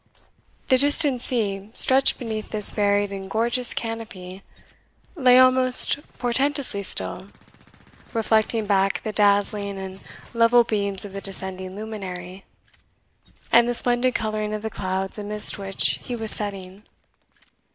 The distant sea, stretched beneath this varied and gorgeous canopy, lay almost portentously still, reflecting back the dazzling and level beams of the descending luminary, and the splendid colouring of the clouds amidst which he was setting.